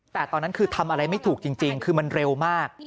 แต่ตอนนั้นคือทำอะไรไม่ถูกจริงคือมันเร็วมาก